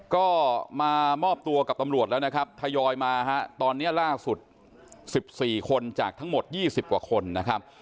ก็มามอบตัวกับตำรวจแล้วนะครับทยอยมาฮะตอนนี้ล่าสุด๑๔คนจากทั้งหมด๒๐กว่าคนนะครับ